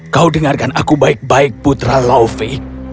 kau dengarkan aku baik baik putra lovi